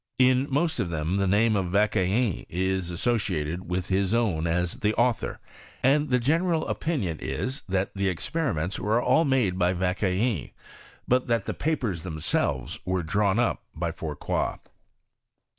In most of them, the name of Vauquelin is associated with his own as the author ; and the general opinion is, that the experiments were all made by Vauque lin ; but that the papers themselves were drawn up by Fourcroj.